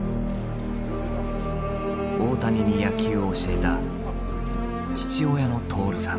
大谷に野球を教えた父親の徹さん。